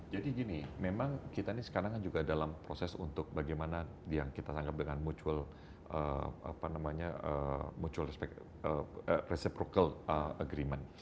jadi gini memang kita ini sekarang juga dalam proses untuk bagaimana yang kita tanggap dengan mutual reciprocal agreement